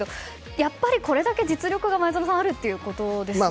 やっぱりこれだけ実力があるということですよね。